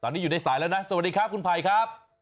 ตอนนี้อยู่ในสายแล้วนะสวัสดีครับคุณภัยครับ